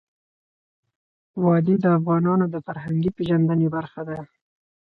وادي د افغانانو د فرهنګي پیژندنې برخه ده.